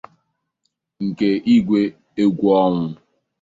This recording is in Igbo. nke Igwe Egwuọnwụ